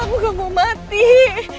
aku nggak mau mati